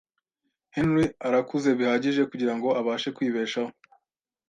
Henry arakuze bihagije kugirango abashe kwibeshaho .